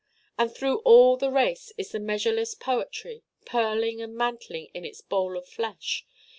And through all the race is the measureless poetry, purling and mantling in its bowl of flesh.